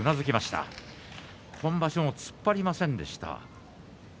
今場所も突っ張りませんでした。